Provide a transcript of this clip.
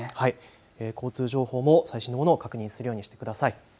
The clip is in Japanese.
交通情報も最新のものを確認するようにしてください。